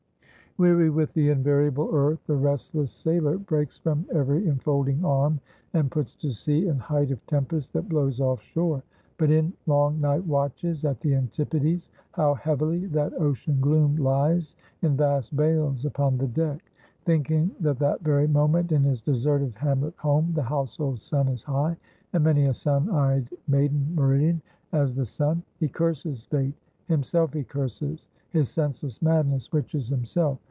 Weary with the invariable earth, the restless sailor breaks from every enfolding arm, and puts to sea in height of tempest that blows off shore. But in long night watches at the antipodes, how heavily that ocean gloom lies in vast bales upon the deck; thinking that that very moment in his deserted hamlet home the household sun is high, and many a sun eyed maiden meridian as the sun. He curses Fate; himself he curses; his senseless madness, which is himself.